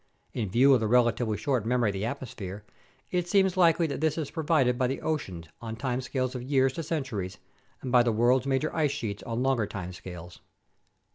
In view of the relatively short memory of the atmosphere, it seems likely that this is provided by the oceans on time scales of years to centuries and by the world's major ice sheets on longer times scales.